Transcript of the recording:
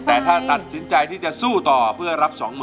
แต่ถ้าตัดสินใจที่จะสู้ต่อเพื่อรับ๒๐๐๐